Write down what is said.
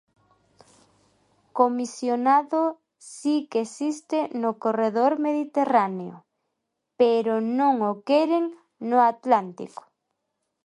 Comisionado si que existe no corredor mediterráneo, pero non o queren no atlántico.